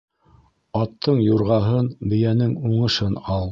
Аттың юрғаһын, бейәнең уңышын ал.